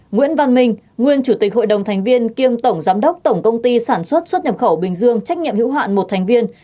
nguyễn văn minh nguyên chủ tịch hội đồng thành viên kiêm tổng giám đốc tổng công ty sản xuất xuất nhập khẩu bình dương trách nhiệm hữu hạn một thành viên